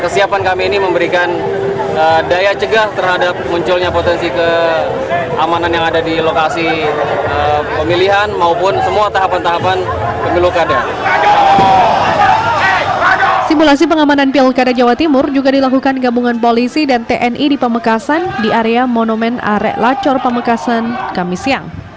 simulasi pengamanan pial kada jawa timur juga dilakukan gabungan polisi dan tni di pemekasan di area monumen arek lacor pemekasan kamis siang